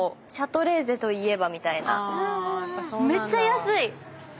めっちゃ安い！